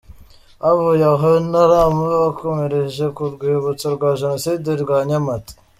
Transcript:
Bavuye aho i Ntarama, bakomereje ku rwibutso rwa Jenoside rwa Nyamata.